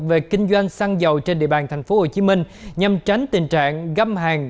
về kinh doanh xăng dầu trên địa bàn tp hcm nhằm tránh tình trạng găm hàng